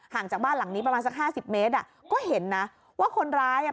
จากบ้านหลังนี้ประมาณสักห้าสิบเมตรอ่ะก็เห็นนะว่าคนร้ายอ่ะ